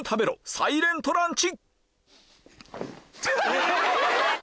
サイレントランチ